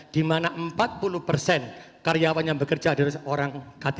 di mana empat puluh persen karyawan yang bekerja adalah seorang ktp